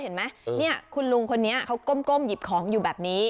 เห็นไหมเนี่ยคุณลุงคนนี้เขาก้มหยิบของอยู่แบบนี้